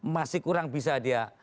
masih kurang bisa dia